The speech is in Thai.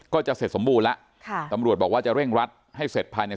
ก็จะเสร็จสมบูรณ์แล้วค่ะตำรวจบอกว่าจะเร่งรัดให้เสร็จภายใน